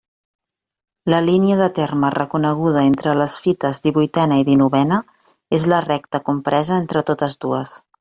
La línia de terme reconeguda entre les fites divuitena i dinovena és la recta compresa entre totes dues.